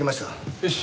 よし。